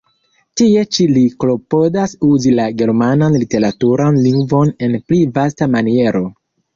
Tie ĉi li klopodas uzi la germanan literaturan lingvon en pli vasta maniero.